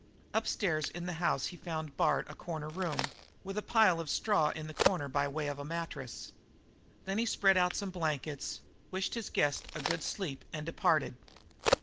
Upstairs in the house he found Bard a corner room with a pile of straw in the corner by way of a mattress. There he spread out some blankets, wished his guest a good sleep, and departed.